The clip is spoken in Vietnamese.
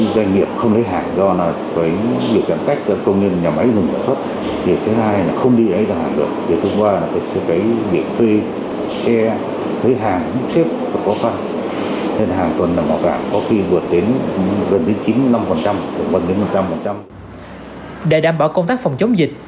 để đảm bảo công tác phòng chống dịch